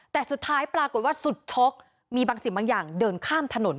แต่สุดท้ายปรากฏว่าสุดชกมีบางสิ่งบางอย่างเดินข้ามถนน